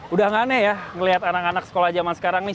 udah aneh ya ngeliat anak anak sekolah zaman sekarang nih